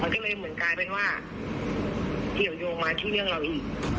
ก็เลยเหมือนกลายเป็นว่าเกี่ยวยงมาที่เรื่องเราอีก